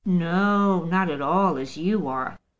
"No; not at all as you are.